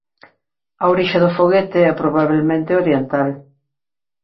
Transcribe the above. A orixe do foguete é probabelmente oriental.